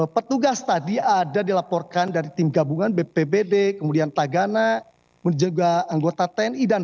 petugas tadi ada dilaporkan dari tim gabungan bpbd kemudian tagana juga anggota tni dan